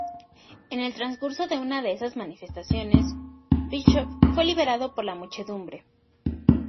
En el transcurso de una de esas manifestaciones, Bishop fue liberado por la muchedumbre.